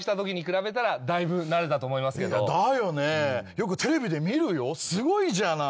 よくテレビで見るよすごいじゃない。